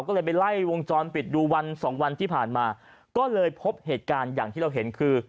ก็เลยไปไล่วงจรปิดดูวันสองวันที่ผ่านมาก็เลยพบเหตุการณ์อย่างที่เราเห็นคือ